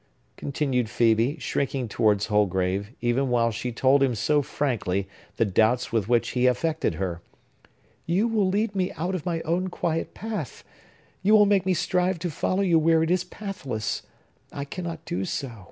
continued Phœbe, shrinking towards Holgrave, even while she told him so frankly the doubts with which he affected her. "You will lead me out of my own quiet path. You will make me strive to follow you where it is pathless. I cannot do so.